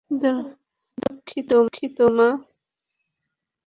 আমি দুঃখিত, মা।